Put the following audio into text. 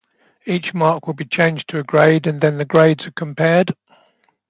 Each mark will be changed to a grade and then the grades are compared.